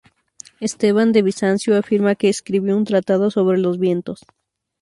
Esteban de Bizancio afirma que escribió un tratado sobre los vientos.